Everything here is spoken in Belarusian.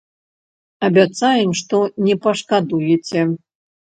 Абяцаем, што не пашкадуеце.